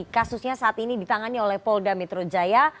kasusnya saat ini ditangani oleh polda metro jaya